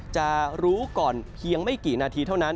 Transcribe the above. จะรู้ก่อนเพียงไม่กี่นาทีเท่านั้น